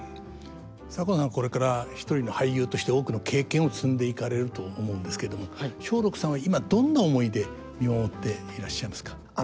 左近さんはこれから一人の俳優として多くの経験を積んでいかれると思うんですけれども松緑さんは今どんな思いで見守っていらっしゃいますか？